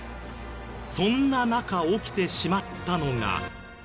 そんな中起きてしまったのが。